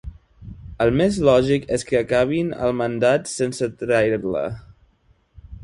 El més lògic és que acabin el mandat sense trair-la.